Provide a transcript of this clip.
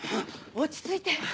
落ち着いて。